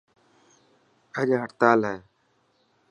اڄ هڙتال هي.